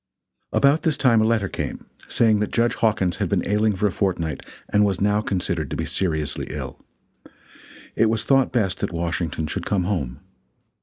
About this time a letter came, saying that Judge Hawkins had been ailing for a fortnight, and was now considered to be seriously ill. It was thought best that Washington should come home.